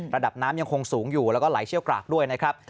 ระดับน้ำยังคงสูงอยู่แล้วก็ไหลเชี่ยวกรากด้วยนะครับ